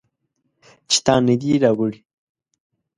چې تا نه دي راوړي